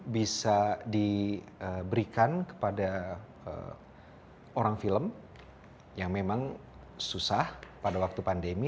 bisa diberikan kepada orang film yang memang susah pada waktu pandemi